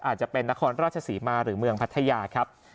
อาจจะเป็นนครราชศรีมาหรือเมืองพัทยาครับ